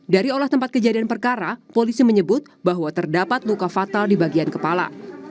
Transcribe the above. dari olah tempat kejadian perkara polisi menyebut bahwa terdapat luka fatal di bagian kepala